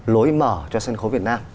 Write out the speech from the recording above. lối mở cho sân khấu việt nam